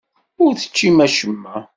Ur teččim acemma.